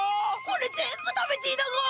これ全部食べていいだか？